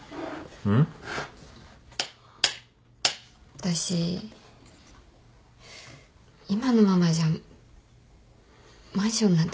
私今のままじゃマンションなんて買えないよ。